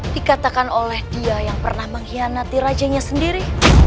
dikatakan oleh dia yang pernah mengkhianati rajanya sendiri